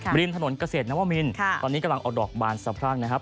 เปลี่ยนถนนเกษตรน้ำวะมินตอนนี้กำลังออกดอกบานสำหรับนะครับ